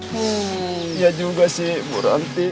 hmm ya juga sih bu ranti